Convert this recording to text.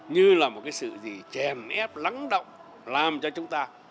như là một cái sự gì chèn ép lắng động làm cho chúng ta